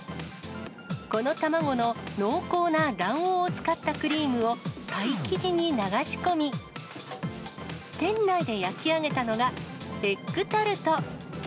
この卵の濃厚な卵黄を使ったクリームをパイ生地に流し込み、店内で焼き上げたのが、エッグタルト。